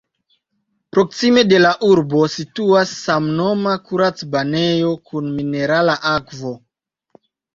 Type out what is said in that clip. Proksime de la urbo situas samnoma kurac-banejo kun minerala akvo.